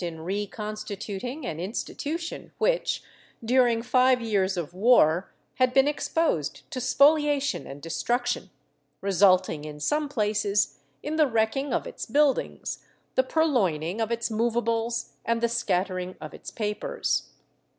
426 DECADENCE AND EXTINCTION [Book IX five years of war, had been exposed to spoliation and destruction, resulting, in some places, in the wrecking of its buildings, the purloining of its movables and the scattering of its papers.